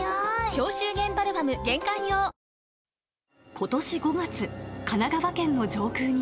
ことし５月、神奈川県の上空に。